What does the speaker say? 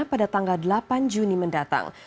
pada tanggal delapan juni mendatang